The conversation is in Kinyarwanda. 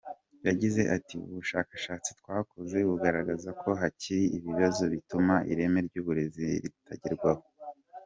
Yagize ati “Ubushakashatsi twakoze bugaragaza ko hakiri ibibazo bituma ireme ry’uburezi ritagerwaho.